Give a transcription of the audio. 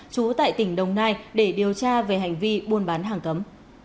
trú tại tỉnh đồng nai để điều tra về hành vi buôn bán hàng cấm